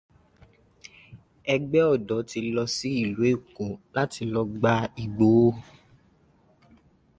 Ẹgbẹ́ ọ̀dọ́ ti lọ sí ìlú Èkó láti lọ gba Ìgbòho.